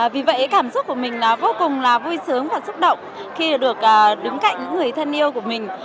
vì vậy cảm xúc của mình vô cùng là vui sướng và xúc động khi được đứng cạnh những người thân yêu của mình